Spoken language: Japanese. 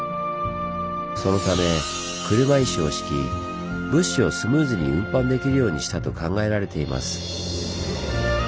そのため車石を敷き物資をスムーズに運搬できるようにしたと考えられています。